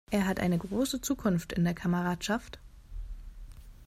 Er hat eine große Zukunft in der Kameradschaft!